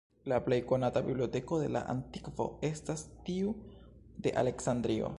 La plej konata biblioteko de la antikvo estas tiu de Aleksandrio.